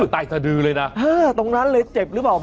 ตายสะดือเลยนะตรงนั้นเลยเจ็บหรือเปล่า